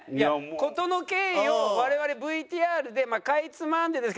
事の経緯を我々ＶＴＲでまあかいつまんでですけど。